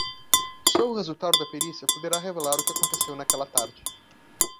Só o resultado da perícia poderá revelar o que aconteceu naquela tarde